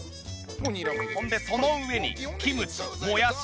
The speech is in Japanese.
ほんでその上にキムチもやし